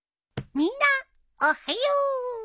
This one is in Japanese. みんなおはよう！